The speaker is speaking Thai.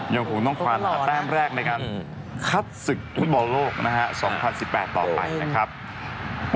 ยังคงต้องคว้าแต้มแรกในการคัดศึกฟุตบอลโลกนะฮะ๒๐๑๘ต่อไปนะครับ